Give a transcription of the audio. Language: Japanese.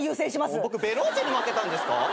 僕ベローチェに負けたんですか？